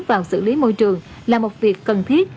vào xử lý môi trường là một việc cần thiết